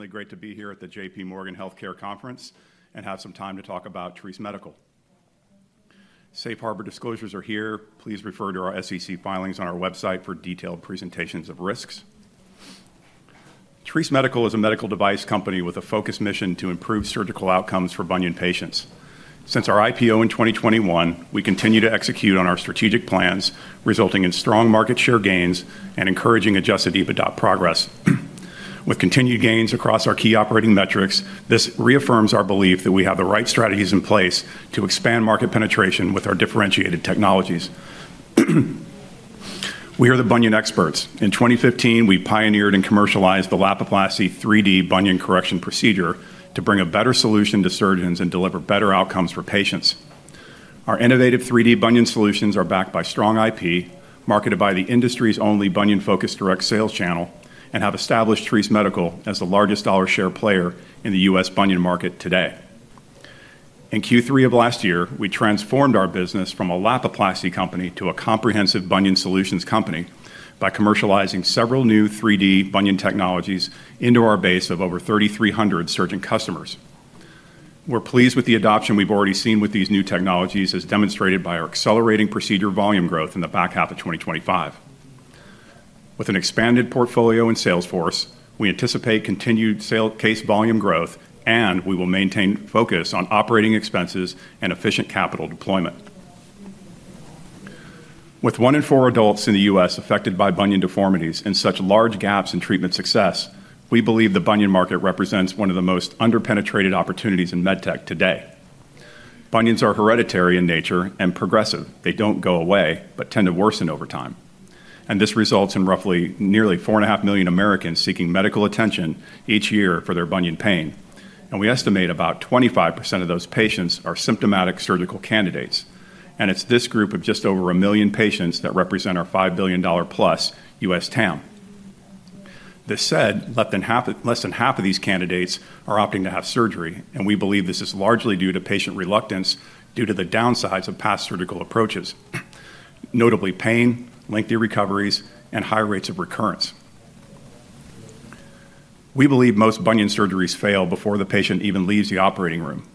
Really great to be here at the J.P. Morgan Healthcare Conference and have some time to talk about Treace Medical. Safe Harbor disclosures are here. Please refer to our SEC filings on our website for detailed presentations of risks. Treace Medical is a medical device company with a focused mission to improve surgical outcomes for bunion patients. Since our IPO in 2021, we continue to execute on our strategic plans, resulting in strong market share gains and encouraging Adjusted EBITDA progress. With continued gains across our key operating metrics, this reaffirms our belief that we have the right strategies in place to expand market penetration with our differentiated technologies. We are the bunion experts. In 2015, we pioneered and commercialized the Lapiplasty 3D Bunion Correction Procedure to bring a better solution to surgeons and deliver better outcomes for patients. Our innovative 3D bunion solutions are backed by strong IP, marketed by the industry's only bunion-focused direct sales channel, and have established Treace Medical as the largest dollar share player in the U.S. bunion market today. In Q3 of last year, we transformed our business from a Lapiplasty company to a comprehensive bunion solutions company by commercializing several new 3D bunion technologies into our base of over 3,300 surgeon customers. We're pleased with the adoption we've already seen with these new technologies, as demonstrated by our accelerating procedure volume growth in the back half of 2025. With an expanded portfolio and sales force, we anticipate continued sale case volume growth, and we will maintain focus on operating expenses and efficient capital deployment. With one in four adults in the U.S. Affected by bunion deformities and such large gaps in treatment success, we believe the bunion market represents one of the most under-penetrated opportunities in med tech today. Bunions are hereditary in nature and progressive. They don't go away, but tend to worsen over time. And this results in roughly nearly four and a half million Americans seeking medical attention each year for their bunion pain. And we estimate about 25% of those patients are symptomatic surgical candidates. And it's this group of just over a million patients that represent our $5 billion-plus U.S. TAM. That said, less than half of these candidates are opting to have surgery, and we believe this is largely due to patient reluctance due to the downsides of past surgical approaches, notably pain, lengthy recoveries, and high rates of recurrence. We believe most bunion surgeries fail before the patient even leaves the operating room.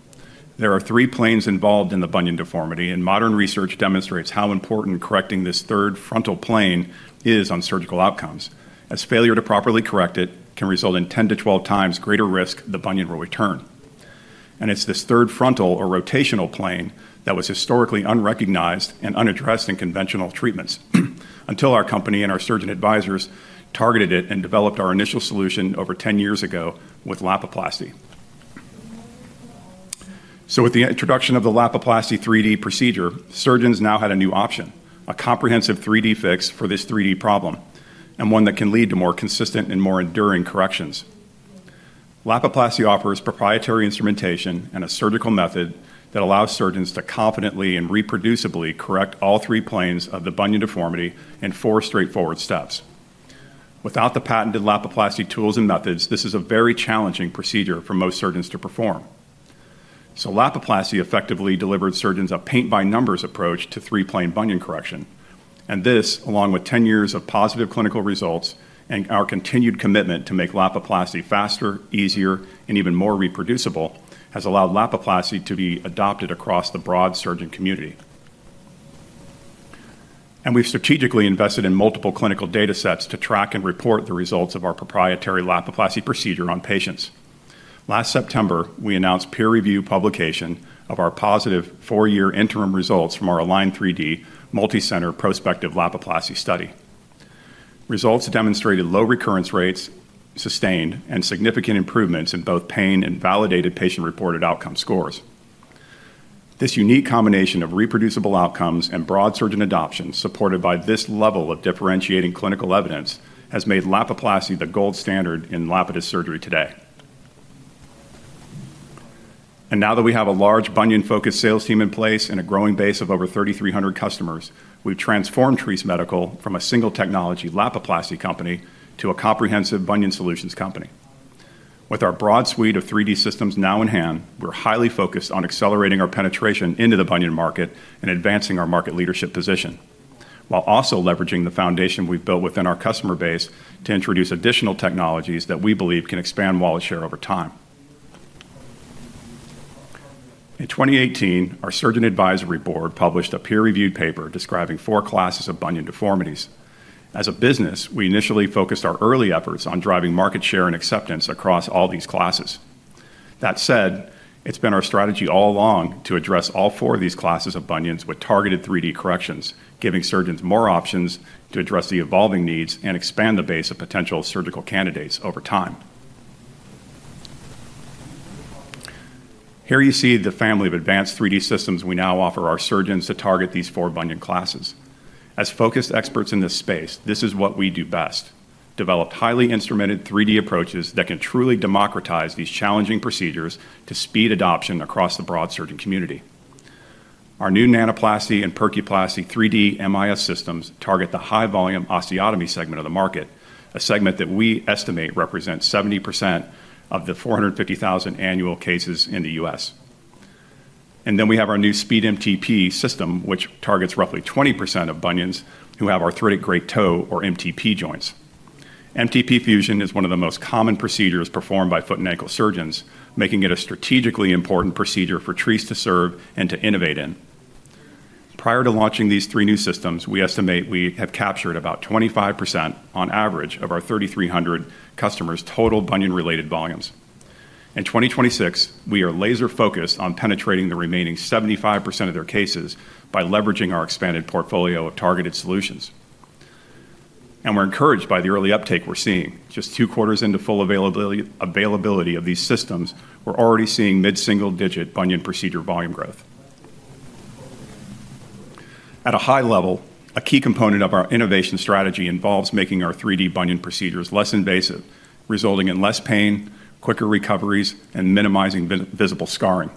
There are three planes involved in the bunion deformity, and modern research demonstrates how important correcting this third frontal plane is on surgical outcomes, as failure to properly correct it can result in 10 to 12 times greater risk the bunion will return, and it's this third frontal or rotational plane that was historically unrecognized and unaddressed in conventional treatments until our company and our surgeon advisors targeted it and developed our initial solution over 10 years ago with Lapiplasty, so with the introduction of the Lapiplasty 3D procedure, surgeons now had a new option: a comprehensive 3D fix for this 3D problem, and one that can lead to more consistent and more enduring corrections. Lapiplasty offers proprietary instrumentation and a surgical method that allows surgeons to confidently and reproducibly correct all three planes of the bunion deformity in four straightforward steps. Without the patented Lapiplasty tools and methods, this is a very challenging procedure for most surgeons to perform. So Lapiplasty effectively delivered surgeons a paint-by-numbers approach to three-plane bunion correction. And this, along with 10 years of positive clinical results and our continued commitment to make Lapiplasty faster, easier, and even more reproducible, has allowed Lapiplasty to be adopted across the broad surgeon community. And we've strategically invested in multiple clinical data sets to track and report the results of our proprietary Lapiplasty procedure on patients. Last September, we announced peer-reviewed publication of our positive four-year interim results from our ALIGN3D multi-center prospective Lapiplasty study. Results demonstrated low recurrence rates, sustained, and significant improvements in both pain and validated patient-reported outcome scores. This unique combination of reproducible outcomes and broad surgeon adoption supported by this level of differentiating clinical evidence has made Lapiplasty the gold standard in Lapidus surgery today. And now that we have a large bunion-focused sales team in place and a growing base of over 3,300 customers, we've transformed Treace Medical from a single technology Lapiplasty company to a comprehensive bunion solutions company. With our broad suite of 3D systems now in hand, we're highly focused on accelerating our penetration into the bunion market and advancing our market leadership position, while also leveraging the foundation we've built within our customer base to introduce additional technologies that we believe can expand wallet share over time. In 2018, our Surgeon Advisory Board published a peer-reviewed paper describing four classes of bunion deformities. As a business, we initially focused our early efforts on driving market share and acceptance across all these classes. That said, it's been our strategy all along to address all four of these classes of bunions with targeted 3D corrections, giving surgeons more options to address the evolving needs and expand the base of potential surgical candidates over time. Here you see the family of advanced 3D systems we now offer our surgeons to target these four bunion classes. As focused experts in this space, this is what we do best: develop highly instrumented 3D approaches that can truly democratize these challenging procedures to speed adoption across the broad surgeon community. Our new Nanoplasty and Percuplasty 3D MIS systems target the high-volume osteotomy segment of the market, a segment that we estimate represents 70% of the 450,000 annual cases in the U.S. And then we have our new Speed MTP system, which targets roughly 20% of bunions who have arthritic great toe or MTP joints. MTP fusion is one of the most common procedures performed by foot and ankle surgeons, making it a strategically important procedure for Treace to serve and to innovate in. Prior to launching these three new systems, we estimate we have captured about 25% on average of our 3,300 customers' total bunion-related volumes. In 2026, we are laser-focused on penetrating the remaining 75% of their cases by leveraging our expanded portfolio of targeted solutions. And we're encouraged by the early uptake we're seeing. Just two quarters into full availability of these systems, we're already seeing mid-single-digit bunion procedure volume growth. At a high level, a key component of our innovation strategy involves making our 3D bunion procedures less invasive, resulting in less pain, quicker recoveries, and minimizing visible scarring.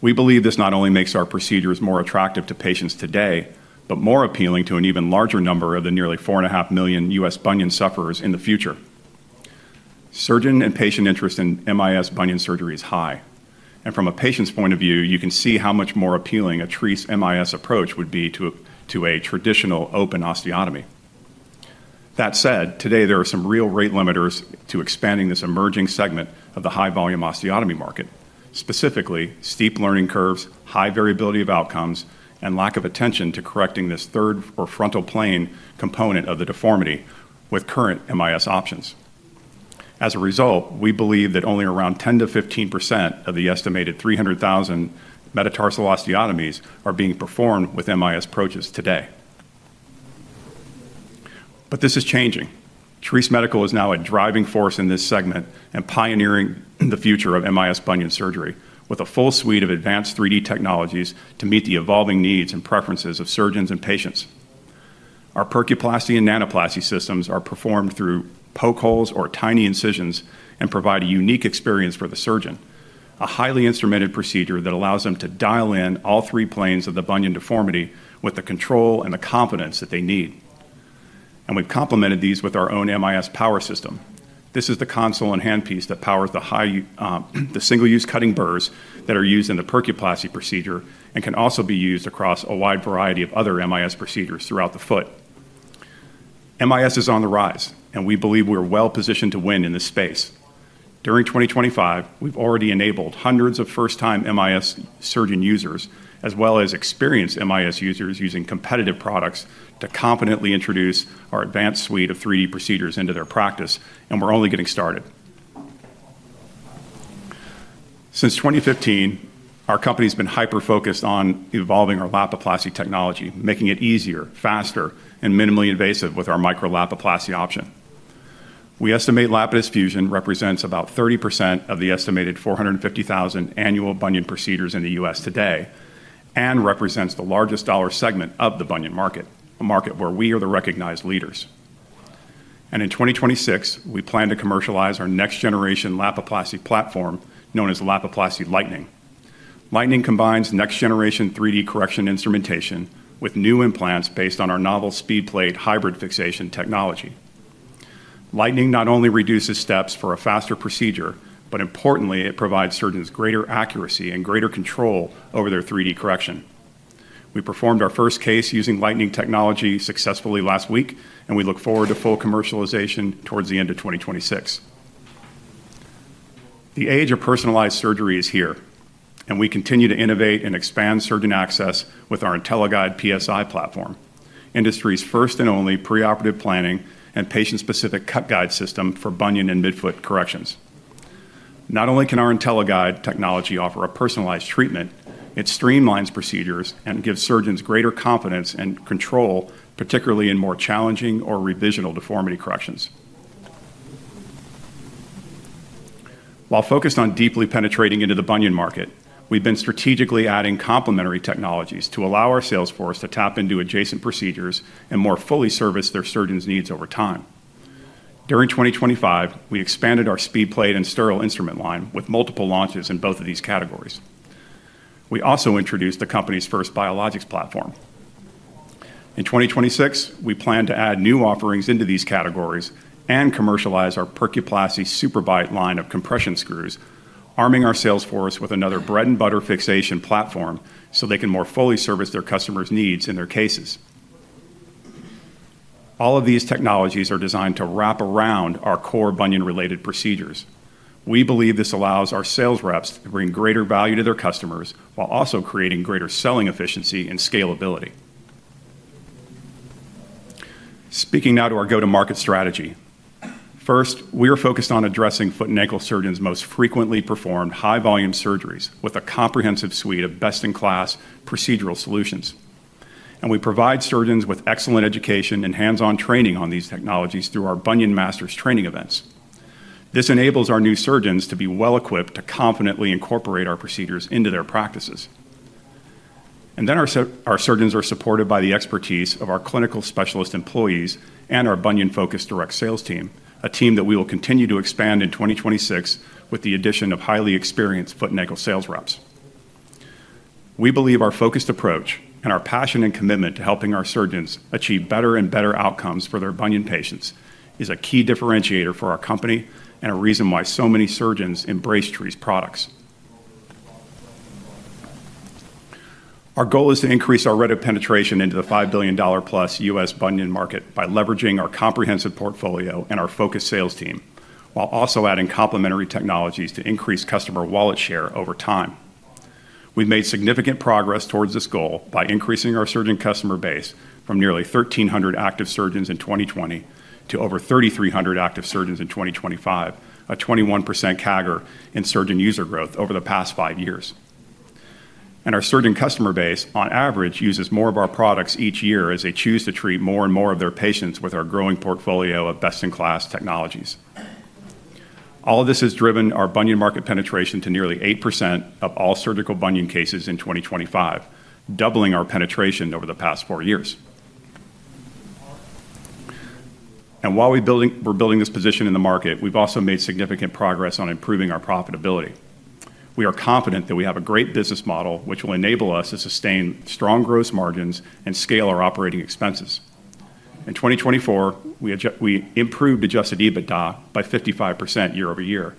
We believe this not only makes our procedures more attractive to patients today, but more appealing to an even larger number of the nearly four and a half million U.S. bunion sufferers in the future. Surgeon and patient interest in MIS bunion surgery is high, and from a patient's point of view, you can see how much more appealing a Treace MIS approach would be to a traditional open osteotomy. That said, today there are some real rate limiters to expanding this emerging segment of the high-volume osteotomy market, specifically steep learning curves, high variability of outcomes, and lack of attention to correcting this third or frontal plane component of the deformity with current MIS options. As a result, we believe that only around 10%-15% of the estimated 300,000 metatarsal osteotomies are being performed with MIS approaches today, but this is changing. Treace Medical is now a driving force in this segment and pioneering the future of MIS bunion surgery with a full suite of advanced 3D technologies to meet the evolving needs and preferences of surgeons and patients. Our Percuplasty and Nanoplasty systems are performed through poke holes or tiny incisions and provide a unique experience for the surgeon, a highly instrumented procedure that allows them to dial in all three planes of the bunion deformity with the control and the confidence that they need, and we've complemented these with our own MIS power system. This is the console and handpiece that powers the single-use cutting burs that are used in the Percuplasty procedure and can also be used across a wide variety of other MIS procedures throughout the foot. MIS is on the rise, and we believe we're well positioned to win in this space. During 2025, we've already enabled hundreds of first-time MIS surgeon users, as well as experienced MIS users using competitive products to confidently introduce our advanced suite of 3D procedures into their practice, and we're only getting started. Since 2015, our company has been hyper-focused on evolving our Lapiplasty technology, making it easier, faster, and minimally invasive with our Micro-Lapiplasty option. We estimate Lapidus fusion represents about 30% of the estimated 450,000 annual bunion procedures in the U.S. today and represents the largest dollar segment of the bunion market, a market where we are the recognized leaders, and in 2026, we plan to commercialize our next-generation Lapiplasty platform known as Lapiplasty Lightning. Lightning combines next-generation 3D correction instrumentation with new implants based on our novel SpeedPlate hybrid fixation technology. Lightning not only reduces steps for a faster procedure, but importantly, it provides surgeons greater accuracy and greater control over their 3D correction. We performed our first case using Lightning technology successfully last week, and we look forward to full commercialization towards the end of 2026. The age of personalized surgery is here, and we continue to innovate and expand surgeon access with our IntelliGuide PSI platform, industry's first and only preoperative planning and patient-specific cut guide system for bunion and midfoot corrections. Not only can our IntelliGuide technology offer a personalized treatment, it streamlines procedures and gives surgeons greater confidence and control, particularly in more challenging or revisional deformity corrections. While focused on deeply penetrating into the bunion market, we've been strategically adding complementary technologies to allow our sales force to tap into adjacent procedures and more fully service their surgeons' needs over time. During 2025, we expanded our SpeedPlate and sterile instrument line with multiple launches in both of these categories. We also introduced the company's first biologics platform. In 2026, we plan to add new offerings into these categories and commercialize our Percuplasty SuperBite line of compression screws, arming our sales force with another bread-and-butter fixation platform so they can more fully service their customers' needs in their cases. All of these technologies are designed to wrap around our core bunion-related procedures. We believe this allows our sales reps to bring greater value to their customers while also creating greater selling efficiency and scalability. Speaking now to our go-to-market strategy. First, we are focused on addressing foot and ankle surgeons' most frequently performed high-volume surgeries with a comprehensive suite of best-in-class procedural solutions. We provide surgeons with excellent education and hands-on training on these technologies through our Bunion Masters training events. This enables our new surgeons to be well-equipped to confidently incorporate our procedures into their practices. Our surgeons are supported by the expertise of our clinical specialist employees and our bunion-focused direct sales team, a team that we will continue to expand in 2026 with the addition of highly experienced foot and ankle sales reps. We believe our focused approach and our passion and commitment to helping our surgeons achieve better and better outcomes for their bunion patients is a key differentiator for our company and a reason why so many surgeons embrace Treace products. Our goal is to increase our rate of penetration into the $5 billion-plus U.S. Bunion market by leveraging our comprehensive portfolio and our focused sales team, while also adding complementary technologies to increase customer wallet share over time. We've made significant progress towards this goal by increasing our surgeon customer base from nearly 1,300 active surgeons in 2020 to over 3,300 active surgeons in 2025, a 21% CAGR in surgeon user growth over the past five years. Our surgeon customer base, on average, uses more of our products each year as they choose to treat more and more of their patients with our growing portfolio of best-in-class technologies. All of this has driven our bunion market penetration to nearly 8% of all surgical bunion cases in 2025, doubling our penetration over the past four years. While we're building this position in the market, we've also made significant progress on improving our profitability. We are confident that we have a great business model which will enable us to sustain strong gross margins and scale our operating expenses. In 2024, we improved Adjusted EBITDA by 55% year-over-year,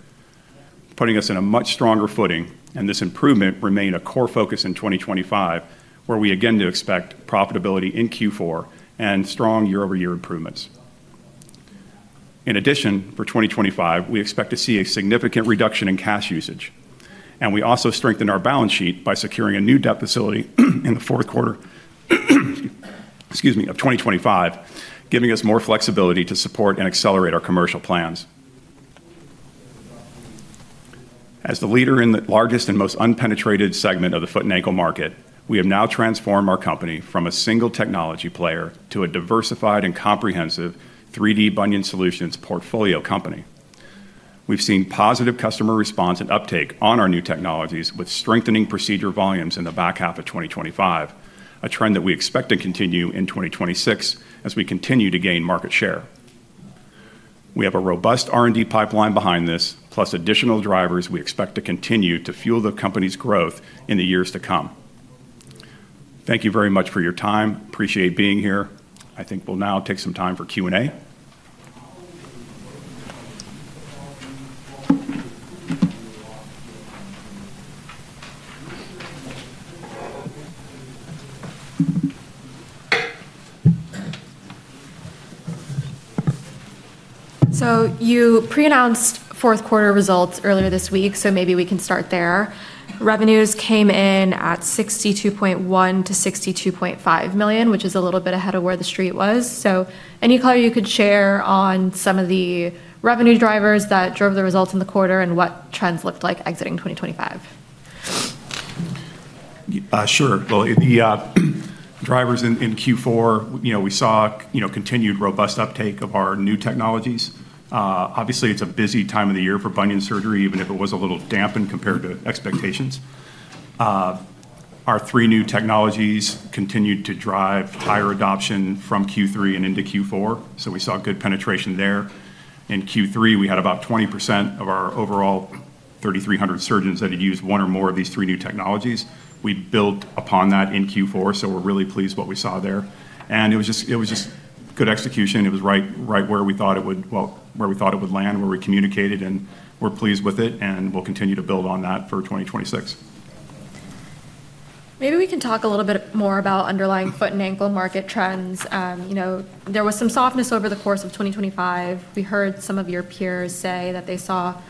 putting us in a much stronger footing, and this improvement remained a core focus in 2025, where we again do expect profitability in Q4 and strong year-over-year improvements. In addition, for 2025, we expect to see a significant reduction in cash usage, and we also strengthened our balance sheet by securing a new debt facility in the fourth quarter of 2025, giving us more flexibility to support and accelerate our commercial plans. As the leader in the largest and most unpenetrated segment of the foot and ankle market, we have now transformed our company from a single technology player to a diversified and comprehensive 3D bunion solutions portfolio company. We've seen positive customer response and uptake on our new technologies with strengthening procedure volumes in the back half of 2025, a trend that we expect to continue in 2026 as we continue to gain market share. We have a robust R&D pipeline behind this, plus additional drivers we expect to continue to fuel the company's growth in the years to come. Thank you very much for your time. Appreciate being here. I think we'll now take some time for Q&A. So you pre-announced fourth quarter results earlier this week, so maybe we can start there. Revenues came in at $62.1-$62.5 million, which is a little bit ahead of where the Street was. So any color you could share on some of the revenue drivers that drove the results in the quarter and what trends looked like exiting 2025? Sure. The drivers in Q4, we saw continued robust uptake of our new technologies. Obviously, it's a busy time of the year for bunion surgery, even if it was a little dampened compared to expectations. Our three new technologies continued to drive higher adoption from Q3 and into Q4, so we saw good penetration there. In Q3, we had about 20% of our overall 3,300 surgeons that had used one or more of these three new technologies. We built upon that in Q4, so we're really pleased with what we saw there. It was just good execution. It was right where we thought it would, well, where we thought it would land, where we communicated, and we're pleased with it, and we'll continue to build on that for 2026. Maybe we can talk a little bit more about underlying foot and ankle market trends. There was some softness over the course of 2025. We heard some of your peers say that they saw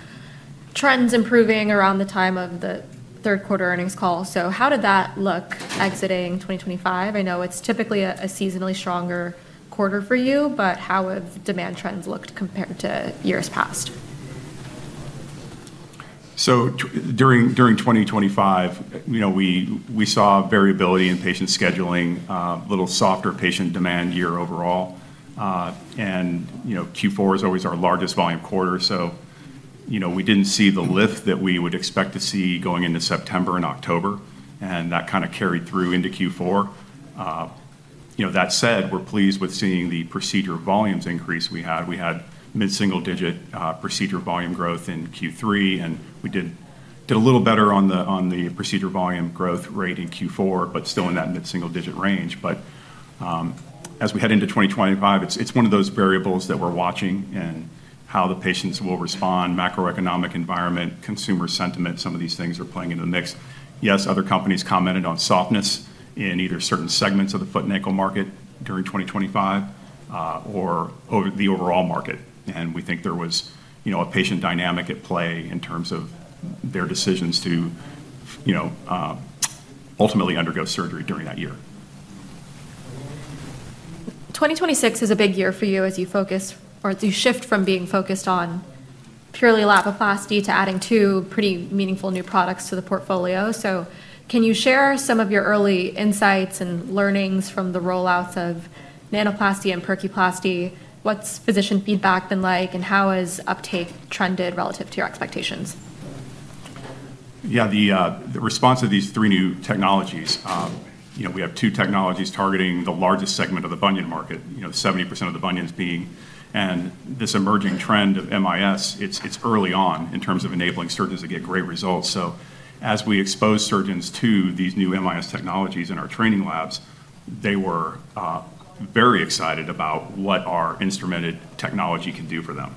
trends improving around the time of the third quarter earnings call. So how did that look exiting 2025? I know it's typically a seasonally stronger quarter for you, but how have demand trends looked compared to years past? So during 2025, we saw variability in patient scheduling, a little softer patient demand year overall. And Q4 is always our largest volume quarter, so we didn't see the lift that we would expect to see going into September and October, and that kind of carried through into Q4. That said, we're pleased with seeing the procedure volumes increase we had. We had mid-single-digit procedure volume growth in Q3, and we did a little better on the procedure volume growth rate in Q4, but still in that mid-single-digit range. But as we head into 2025, it's one of those variables that we're watching and how the patients will respond, macroeconomic environment, consumer sentiment, some of these things are playing into the mix. Yes, other companies commented on softness in either certain segments of the foot and ankle market during 2025 or the overall market. And we think there was a patient dynamic at play in terms of their decisions to ultimately undergo surgery during that year. 2026 is a big year for you as you focus, or as you shift from being focused on purely Lapiplasty to adding two pretty meaningful new products to the portfolio. So can you share some of your early insights and learnings from the rollouts of Nanoplasty and Percuplasty? What's physician feedback been like, and how has uptake trended relative to your expectations? Yeah, the response to these three new technologies. We have two technologies targeting the largest segment of the bunion market, 70% of the bunions being. And this emerging trend of MIS, it's early on in terms of enabling surgeons to get great results. So as we exposed surgeons to these new MIS technologies in our training labs, they were very excited about what our instrumented technology can do for them.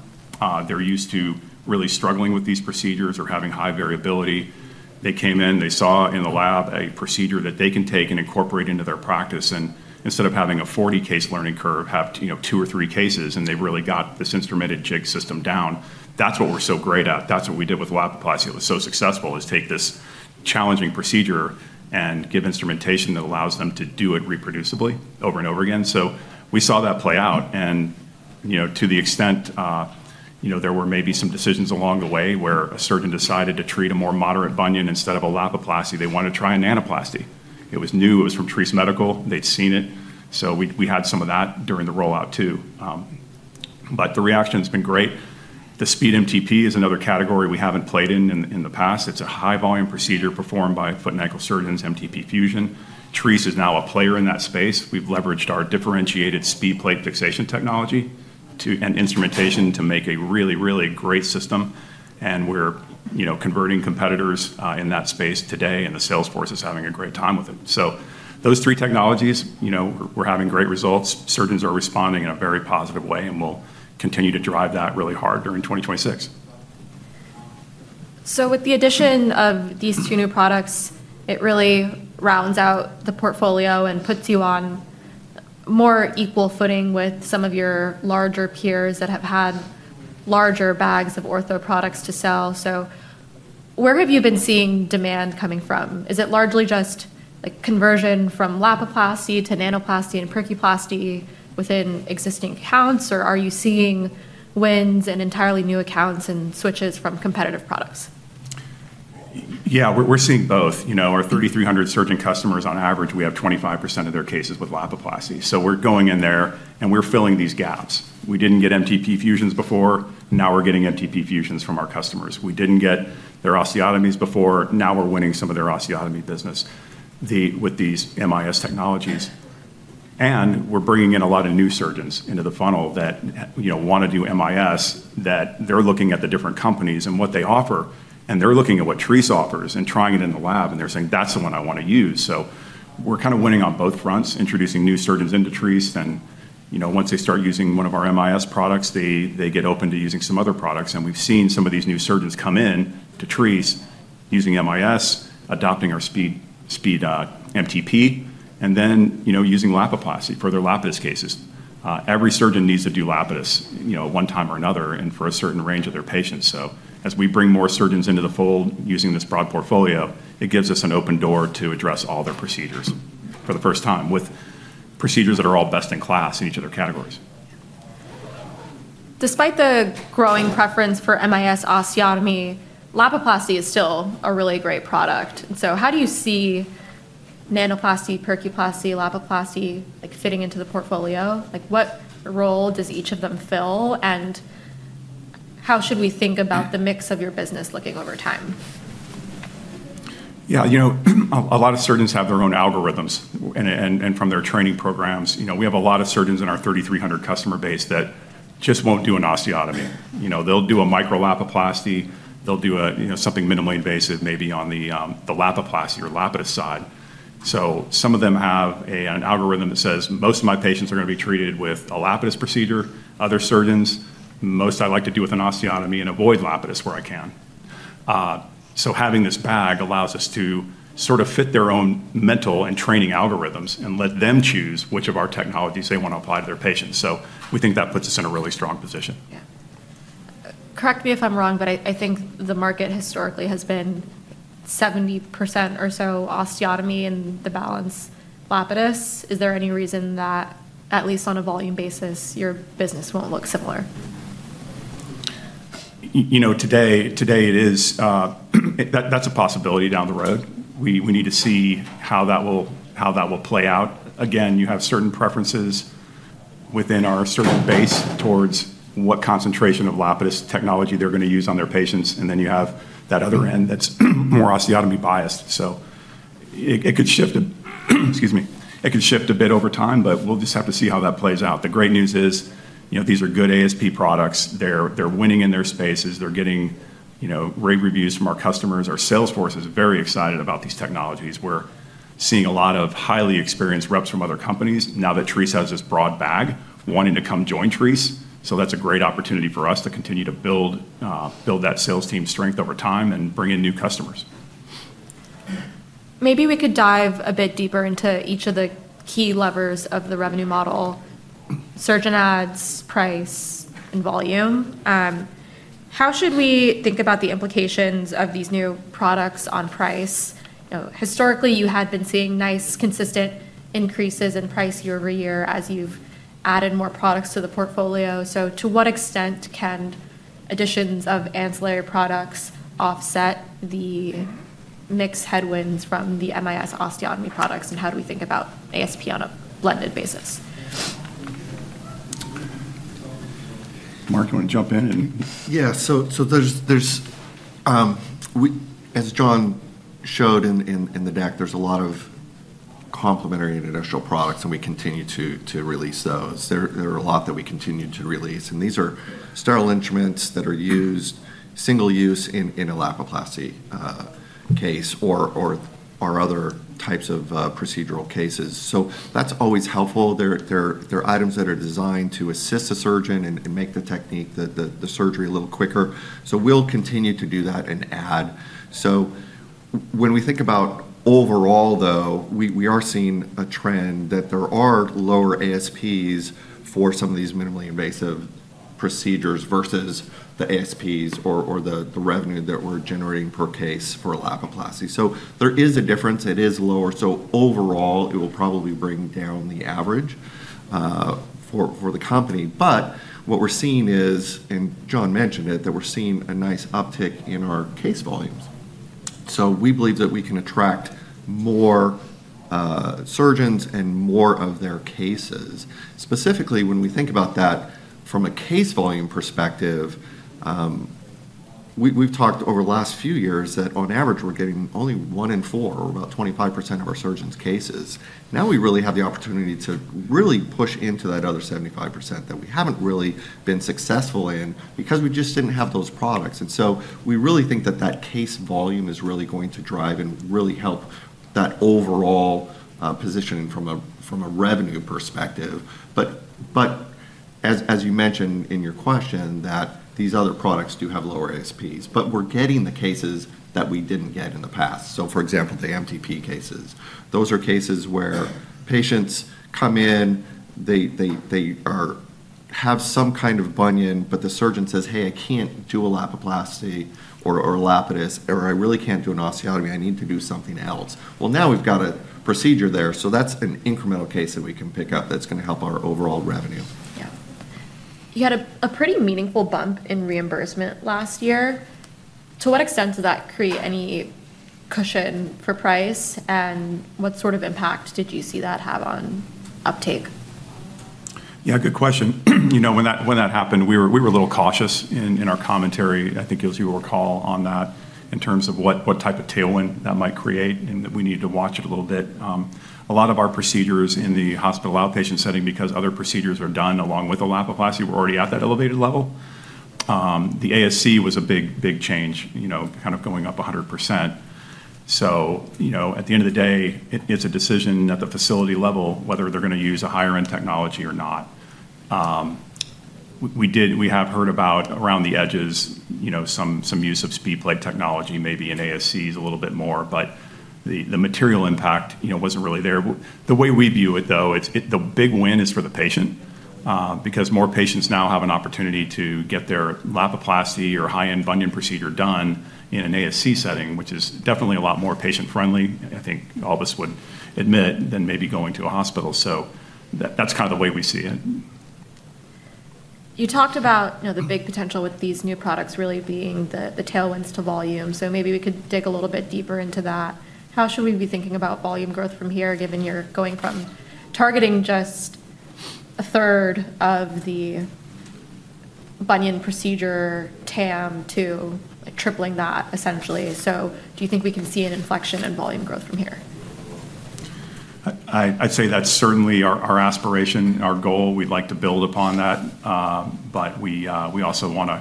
They're used to really struggling with these procedures or having high variability. They came in, they saw in the lab a procedure that they can take and incorporate into their practice. And instead of having a 40-case learning curve, have two or three cases, and they really got this instrumented jig system down. That's what we're so great at. That's what we did with Lapiplasty. It was so successful to take this challenging procedure and give instrumentation that allows them to do it reproducibly over and over again. So we saw that play out. To the extent there were maybe some decisions along the way where a surgeon decided to treat a more moderate bunion instead of a Lapiplasty, they wanted to try a Nanoplasty. It was new. It was from Treace Medical. They'd seen it. So we had some of that during the rollout too. But the reaction has been great. The Speed MTP is another category we haven't played in in the past. It's a high-volume procedure performed by foot and ankle surgeons, MTP fusion. Treace is now a player in that space. We've leveraged our differentiated SpeedPlate fixation technology and instrumentation to make a really, really great system. We're converting competitors in that space today, and the sales force is having a great time with it. So those three technologies, we're having great results. Surgeons are responding in a very positive way, and we'll continue to drive that really hard during 2026. So with the addition of these two new products, it really rounds out the portfolio and puts you on more equal footing with some of your larger peers that have had larger bags of ortho products to sell. So where have you been seeing demand coming from? Is it largely just conversion from Lapiplasty to Nanoplasty and Percuplasty within existing accounts, or are you seeing wins in entirely new accounts and switches from competitive products? Yeah, we're seeing both. Our 3,300 surgeon customers, on average, we have 25% of their cases with Lapiplasty. So we're going in there, and we're filling these gaps. We didn't get MTP fusions before. Now we're getting MTP fusions from our customers. We didn't get their osteotomies before. Now we're winning some of their osteotomy business with these MIS technologies. And we're bringing in a lot of new surgeons into the funnel that want to do MIS, that they're looking at the different companies and what they offer, and they're looking at what Treace offers and trying it in the lab, and they're saying, "That's the one I want to use." So we're kind of winning on both fronts, introducing new surgeons into Treace. And once they start using one of our MIS products, they get open to using some other products. And we've seen some of these new surgeons come into Treace using MIS, adopting our Speed MTP, and then using Lapiplasty for their Lapidus cases. Every surgeon needs to do Lapidus one time or another and for a certain range of their patients. So as we bring more surgeons into the fold using this broad portfolio, it gives us an open door to address all their procedures for the first time with procedures that are all best in class in each of their categories. Despite the growing preference for MIS osteotomy, Lapiplasty is still a really great product. So how do you see Nanoplasty, Percuplasty, Lapiplasty fitting into the portfolio? What role does each of them fill, and how should we think about the mix of your business looking over time? Yeah, a lot of surgeons have their own algorithms and from their training programs. We have a lot of surgeons in our 3,300 customer base that just won't do an osteotomy. They'll do a Micro-Lapiplasty. They'll do something minimally invasive, maybe on the Lapiplasty or Lapidus side. So some of them have an algorithm that says, "Most of my patients are going to be treated with a Lapidus procedure. Other surgeons, most I like to do with an osteotomy and avoid Lapidus where I can." So having this bag allows us to sort of fit their own mental and training algorithms and let them choose which of our technologies they want to apply to their patients. So we think that puts us in a really strong position. Yeah. Correct me if I'm wrong, but I think the market historically has been 70% or so osteotomy and the balance Lapidus. Is there any reason that, at least on a volume basis, your business won't look similar? Today, that's a possibility down the road. We need to see how that will play out. Again, you have certain preferences within our surgeon base towards what concentration of Lapidus technology they're going to use on their patients. And then you have that other end that's more osteotomy biased. So it could shift a bit over time, but we'll just have to see how that plays out. The great news is these are good ASP products. They're winning in their spaces. They're getting great reviews from our customers. Our sales force is very excited about these technologies. We're seeing a lot of highly experienced reps from other companies now that Treace has this broad bag wanting to come join Treace. So that's a great opportunity for us to continue to build that sales team strength over time and bring in new customers. Maybe we could dive a bit deeper into each of the key levers of the revenue model: surgeon ads, price, and volume. How should we think about the implications of these new products on price? Historically, you had been seeing nice, consistent increases in price year-over-year as you've added more products to the portfolio, so to what extent can additions of ancillary products offset the mixed headwinds from the MIS osteotomy products, and how do we think about ASP on a blended basis? Mark, you want to jump in? Yeah, so as John showed in the deck, there's a lot of complementary instrument products, and we continue to release those. There are a lot that we continue to release, and these are sterile instruments that are used single-use in a Lapiplasty case or other types of procedural cases. So that's always helpful. They're items that are designed to assist a surgeon and make the technique, the surgery, a little quicker. So we'll continue to do that and add. So when we think about overall, though, we are seeing a trend that there are lower ASPs for some of these minimally invasive procedures versus the ASPs or the revenue that we're generating per case for Lapiplasty. So there is a difference. It is lower. So overall, it will probably bring down the average for the company. But what we're seeing is, and John mentioned it, that we're seeing a nice uptick in our case volumes. So we believe that we can attract more surgeons and more of their cases. Specifically, when we think about that from a case volume perspective, we've talked over the last few years that, on average, we're getting only one in four or about 25% of our surgeons' cases. Now we really have the opportunity to really push into that other 75% that we haven't really been successful in because we just didn't have those products. And so we really think that that case volume is really going to drive and really help that overall positioning from a revenue perspective. But as you mentioned in your question, that these other products do have lower ASPs, but we're getting the cases that we didn't get in the past. So for example, the MTP cases. Those are cases where patients come in, they have some kind of bunion, but the surgeon says, "Hey, I can't do a Lapiplasty or a Lapidus," or, "I really can't do an osteotomy. I need to do something else." Well, now we've got a procedure there. So that's an incremental case that we can pick up that's going to help our overall revenue. Yeah. You had a pretty meaningful bump in reimbursement last year. To what extent did that create any cushion for price, and what sort of impact did you see that have on uptake? Yeah, good question. When that happened, we were a little cautious in our commentary. I think as you will recall on that, in terms of what type of tailwind that might create, and that we needed to watch it a little bit. A lot of our procedures in the hospital outpatient setting, because other procedures are done along with the Lapiplasty, were already at that elevated level. The ASC was a big change, kind of going up 100%. So at the end of the day, it's a decision at the facility level whether they're going to use a higher-end technology or not. We have heard about around the edges, some use of SpeedPlate technology, maybe in ASCs a little bit more, but the material impact wasn't really there. The way we view it, though, the big win is for the patient because more patients now have an opportunity to get their Lapiplasty or high-end bunion procedure done in an ASC setting, which is definitely a lot more patient-friendly, I think all of us would admit, than maybe going to a hospital. So that's kind of the way we see it. You talked about the big potential with these new products really being the tailwinds to volume. So maybe we could dig a little bit deeper into that. How should we be thinking about volume growth from here, given you're going from targeting just a third of the bunion procedure TAM to tripling that, essentially? Do you think we can see an inflection in volume growth from here? I'd say that's certainly our aspiration, our goal. We'd like to build upon that, but we also want to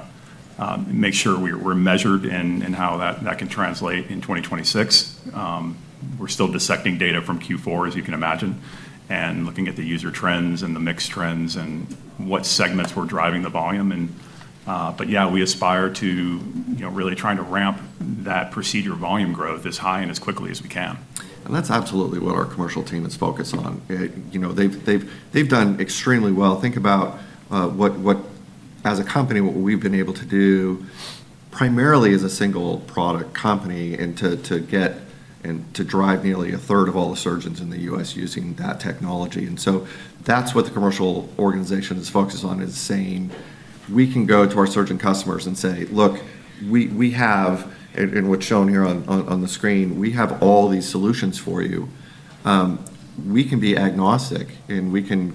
make sure we're measured in how that can translate in 2026. We're still dissecting data from Q4, as you can imagine, and looking at the user trends and the mixed trends and what segments were driving the volume. But yeah, we aspire to really trying to ramp that procedure volume growth as high and as quickly as we can. And that's absolutely what our commercial team is focused on. They've done extremely well. Think about, as a company, what we've been able to do primarily as a single product company and to get and to drive nearly a third of all the surgeons in the U.S. using that technology. And so that's what the commercial organization's focus on, is saying, "We can go to our surgeon customers and say, 'Look, we have,'" and what's shown here on the screen, "'We have all these solutions for you.'" We can be agnostic, and we can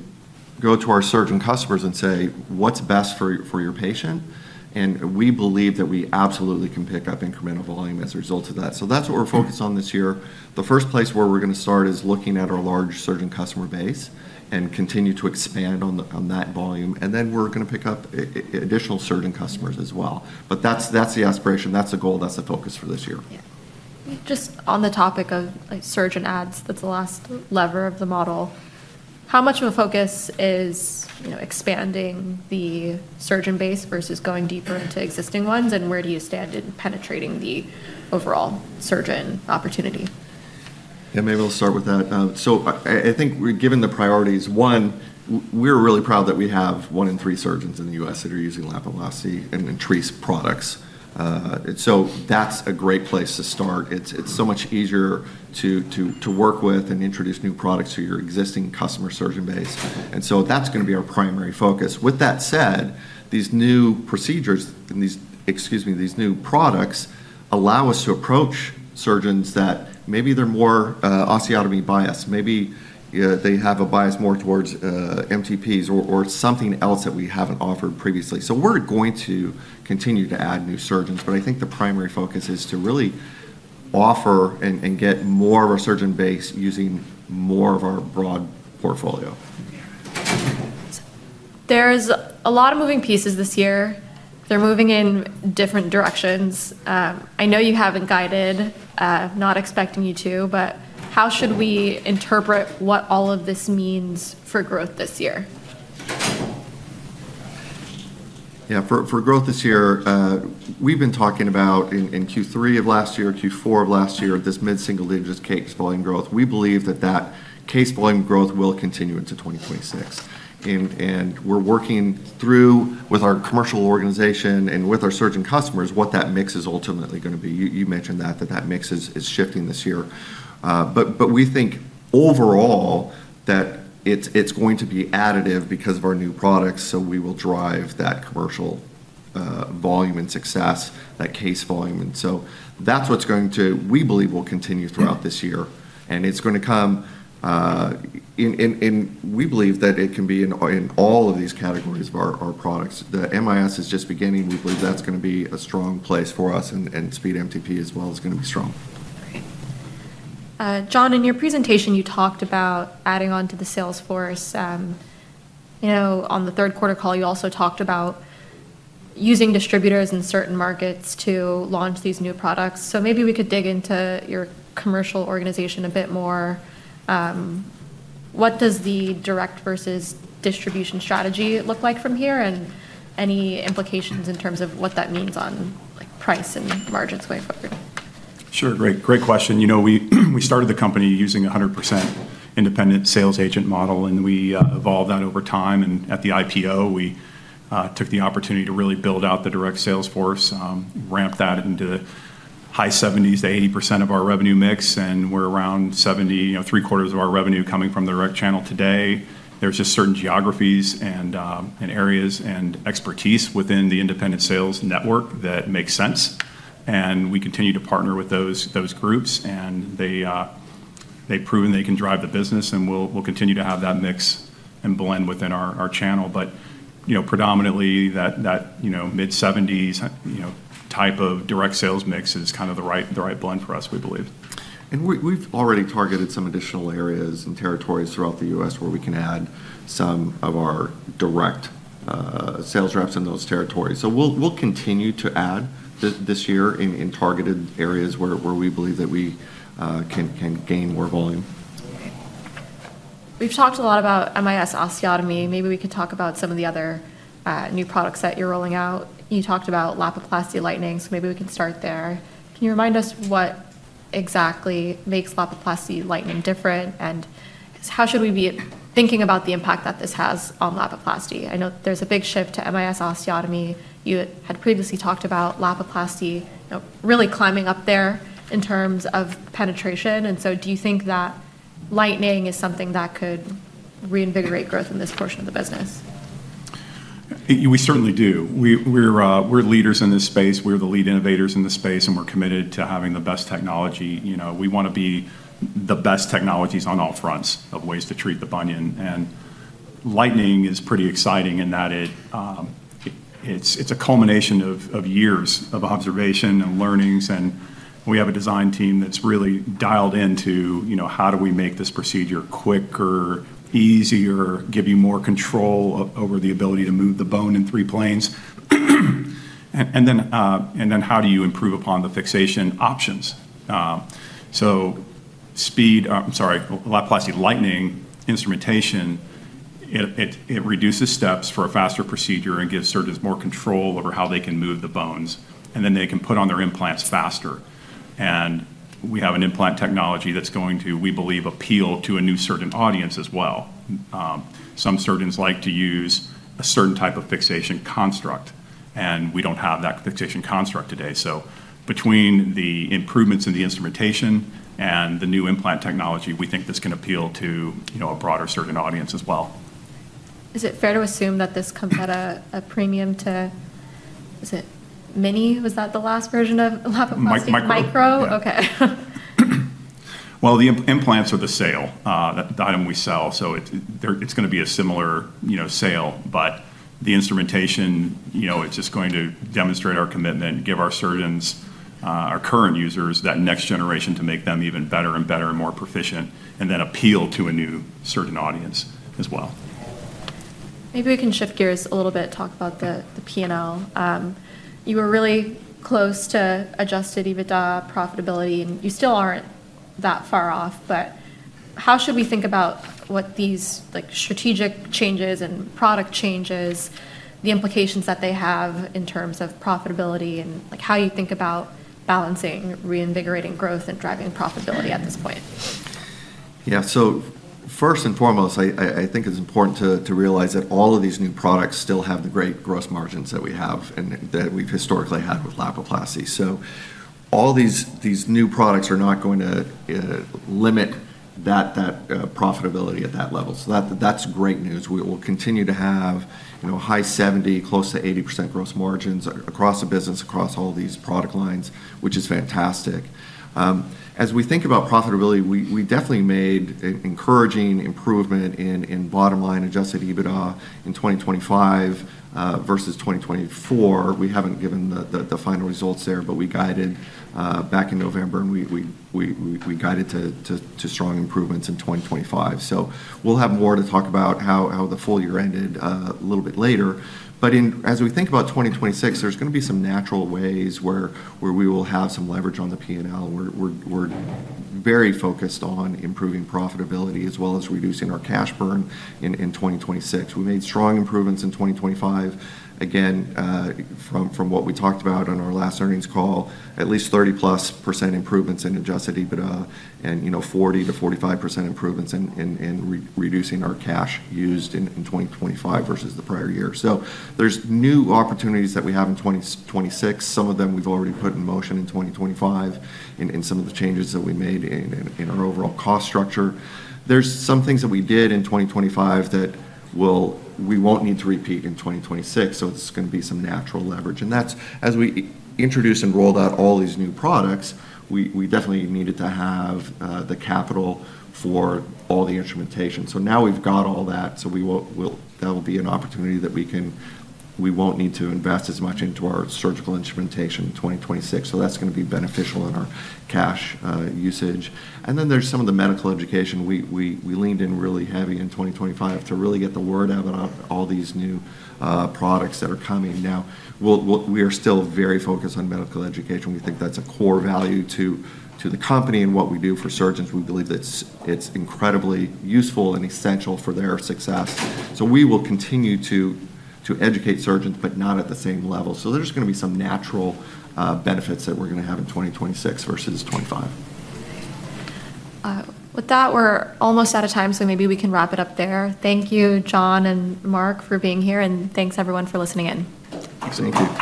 go to our surgeon customers and say, "What's best for your patient?" And we believe that we absolutely can pick up incremental volume as a result of that. So that's what we're focused on this year. The first place where we're going to start is looking at our large surgeon customer base and continue to expand on that volume. And then we're going to pick up additional surgeon customers as well. But that's the aspiration. That's the goal. That's the focus for this year. Yeah. Just on the topic of surgeon adds, that's the last lever of the model. How much of a focus is expanding the surgeon base versus going deeper into existing ones, and where do you stand in penetrating the overall surgeon opportunity? Yeah, maybe I'll start with that. So I think, given the priorities, one, we're really proud that we have one in three surgeons in the U.S. that are using Lapiplasty and Treace products. So that's a great place to start. It's so much easier to work with and introduce new products to your existing customer surgeon base. And so that's going to be our primary focus. With that said, these new procedures and, excuse me, these new products allow us to approach surgeons that maybe they're more osteotomy biased. Maybe they have a bias more towards MTPs or something else that we haven't offered previously. So we're going to continue to add new surgeons, but I think the primary focus is to really offer and get more of our surgeon base using more of our broad portfolio. There's a lot of moving pieces this year. They're moving in different directions. I know you haven't guided, not expecting you to, but how should we interpret what all of this means for growth this year? Yeah, for growth this year, we've been talking about in Q3 of last year, Q4 of last year, this mid-single digit case volume growth. We believe that case volume growth will continue into 2026. And we're working through, with our commercial organization and with our surgeon customers, what that mix is ultimately going to be. You mentioned that that mix is shifting this year. But we think overall that it's going to be additive because of our new products. So we will drive that commercial volume and success, that case volume. And so that's what's going to, we believe, will continue throughout this year. And it's going to come, and we believe that it can be in all of these categories of our products. The MIS is just beginning. We believe that's going to be a strong place for us, and Speed MTP as well is going to be strong. Great. John, in your presentation, you talked about adding on to the sales force. On the third quarter call, you also talked about using distributors in certain markets to launch these new products. So maybe we could dig into your commercial organization a bit more. What does the direct versus distribution strategy look like from here and any implications in terms of what that means on price and margins going forward? Sure. Great question. We started the company using a 100% independent sales agent model, and we evolved that over time, and at the IPO, we took the opportunity to really build out the direct sales force, ramp that into the high 70s to 80% of our revenue mix, and we're around 70, three-quarters of our revenue coming from the direct channel today. There's just certain geographies and areas and expertise within the independent sales network that makes sense, and we continue to partner with those groups, and they've proven they can drive the business, and we'll continue to have that mix and blend within our channel. But predominantly, that mid-70s type of direct sales mix is kind of the right blend for us, we believe. And we've already targeted some additional areas and territories throughout the U.S. where we can add some of our direct sales reps in those territories. So we'll continue to add this year in targeted areas where we believe that we can gain more volume. We've talked a lot about MIS osteotomy. Maybe we could talk about some of the other new products that you're rolling out. You talked about Lapiplasty Lightning, so maybe we can start there. Can you remind us what exactly makes Lapiplasty Lightning different, and how should we be thinking about the impact that this has on Lapiplasty? I know there's a big shift to MIS osteotomy. You had previously talked about Lapiplasty really climbing up there in terms of penetration. And so do you think that Lightning is something that could reinvigorate growth in this portion of the business? We certainly do. We're leaders in this space. We're the lead innovators in the space, and we're committed to having the best technology. We want to be the best technologies on all fronts of ways to treat the bunion. And Lightning is pretty exciting in that it's a culmination of years of observation and learnings. And we have a design team that's really dialed into how do we make this procedure quicker, easier, give you more control over the ability to move the bone in three planes. And then how do you improve upon the fixation options? So Speed - I'm sorry, Lapiplasty Lightning instrumentation, it reduces steps for a faster procedure and gives surgeons more control over how they can move the bones, and then they can put on their implants faster. And we have an implant technology that's going to, we believe, appeal to a new surgeon audience as well. Some surgeons like to use a certain type of fixation construct, and we don't have that fixation construct today. So between the improvements in the instrumentation and the new implant technology, we think this can appeal to a broader surgeon audience as well. Is it fair to assume that this comes at a premium to—is it mini? Was that the last version of Lapiplasty? Micro. Micro? Okay. Well, the implants are the sale, the item we sell. So it's going to be a similar sale, but the instrumentation, it's just going to demonstrate our commitment, give our surgeons, our current users, that next generation to make them even better and better and more proficient, and then appeal to a new surgeon audience as well. Maybe we can shift gears a little bit, talk about the P&L. You were really close to Adjusted EBITDA profitability, and you still aren't that far off. But how should we think about what these strategic changes and product changes, the implications that they have in terms of profitability, and how you think about balancing reinvigorating growth and driving profitability at this point? Yeah. So first and foremost, I think it's important to realize that all of these new products still have the great gross margins that we have and that we've historically had with Lapiplasty. So all these new products are not going to limit that profitability at that level. So that's great news. We'll continue to have high 70s, close to 80% gross margins across the business, across all these product lines, which is fantastic. As we think about profitability, we definitely made an encouraging improvement in bottom line Adjusted EBITDA in 2025 versus 2024. We haven't given the final results there, but we guided back in November, and we guided to strong improvements in 2025. So we'll have more to talk about how the full year ended a little bit later. But as we think about 2026, there's going to be some natural ways where we will have some leverage on the P&L. We're very focused on improving profitability as well as reducing our cash burn in 2026. We made strong improvements in 2025. Again, from what we talked about on our last earnings call, at least 30+% improvements in Adjusted EBITDA and 40%-45% improvements in reducing our cash used in 2025 versus the prior year. So there's new opportunities that we have in 2026. Some of them we've already put in motion in 2025 and some of the changes that we made in our overall cost structure. There's some things that we did in 2025 that we won't need to repeat in 2026. So it's going to be some natural leverage. And as we introduced and rolled out all these new products, we definitely needed to have the capital for all the instrumentation. So now we've got all that. So that will be an opportunity that we won't need to invest as much into our surgical instrumentation in 2026. So that's going to be beneficial in our cash usage. And then there's some of the medical education. We leaned in really heavy in 2025 to really get the word out about all these new products that are coming. Now, we are still very focused on medical education. We think that's a core value to the company and what we do for surgeons. We believe that it's incredibly useful and essential for their success. So we will continue to educate surgeons, but not at the same level. So there's going to be some natural benefits that we're going to have in 2026 versus 2025. With that, we're almost out of time, so maybe we can wrap it up there. Thank you, John and Mark, for being here, and thanks, everyone, for listening in. Thanks. Thank you.